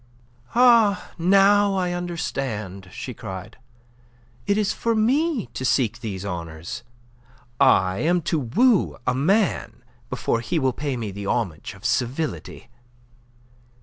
"Ah, now I understand," she cried. "It is for me to seek these honours. I am to woo a man before he will pay me the homage of civility.